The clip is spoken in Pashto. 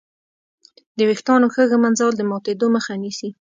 د وېښتانو ښه ږمنځول د ماتېدو مخه نیسي.